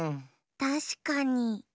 たしかに。